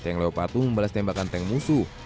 tank leopard membalas tembakan tank musuh